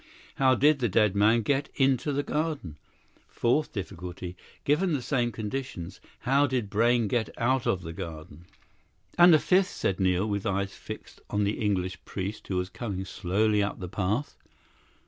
How did the dead man get into the garden? Fourth difficulty: Given the same conditions, how did Brayne get out of the garden?" "And the fifth," said Neil, with eyes fixed on the English priest who was coming slowly up the path.